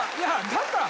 だったら。